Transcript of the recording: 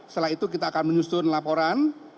setelah itu kita akan menyusun laporan